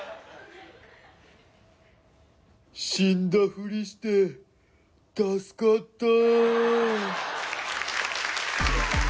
死んだふりして助かった。